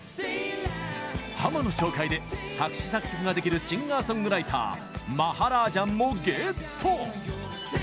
ハマの紹介で作詞・作曲ができるシンガーソングライターマハラージャンもゲット！